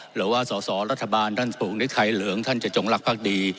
หรือว่าสอสอรัฐบาลท่านปลูกฤทัยเหลืองท่านจะจงรักภักดี